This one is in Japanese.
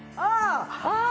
ああ！